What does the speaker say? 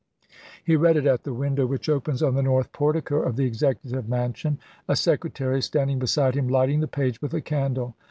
He read it at the window which opens on the north portico of the Executive Mansion, a secretary standing beside him lighting the page with a candle.